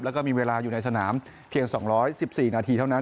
แล้วก็มีเวลาอยู่ในสนามเพียง๒๑๔นาทีเท่านั้น